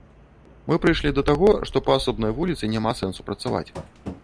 Мы прыйшлі да таго, што па асобнай вуліцы няма сэнсу працаваць.